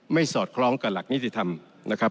สอดคล้องกับหลักนิติธรรมนะครับ